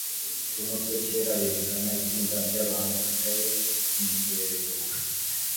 cyumutwe cyera yerekana itsinda ryabantu bicaye ku musego